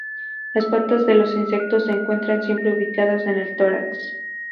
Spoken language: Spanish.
Las patas de los insectos se encuentran siempre ubicadas en el tórax.